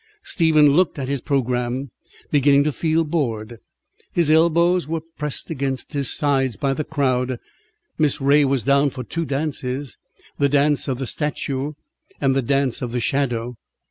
Stephen looked at his programme, beginning to feel bored. His elbows were pressed against his sides by the crowd. Miss Ray was down for two dances, the Dance of the Statue and the Dance of the Shadow.